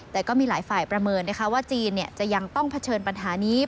แต่ก็มีหลายฝ่ายประเมินนะคะว่าจีนจะยังต้องเผชิญปัญหานี้